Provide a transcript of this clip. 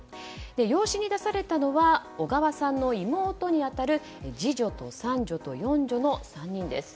養子に出されたのは小川さんの妹に当たる次女と三女と四女の３人です。